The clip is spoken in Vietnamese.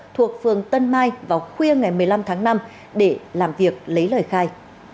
thuộc phường tân mai vào khuya ngày một mươi năm tháng năm để làm việc lấy lời khai